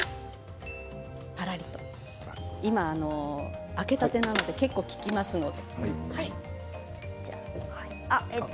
今、開けたてなので結構、利きますので。